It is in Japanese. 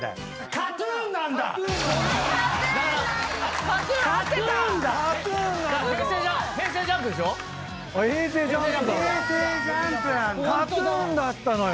ＫＡＴ−ＴＵＮだったのよ。